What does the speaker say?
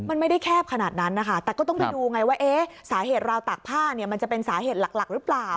มันไม่ได้แคบขนาดนั้นนะคะแต่ก็ต้องไปดูไงว่าสาเหตุราวตากผ้าเนี่ยมันจะเป็นสาเหตุหลักหรือเปล่า